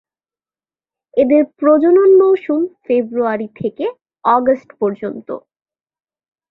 এদের প্রজনন মৌসুম ফেব্রুয়ারি থেকে অগাস্ট পর্যন্ত।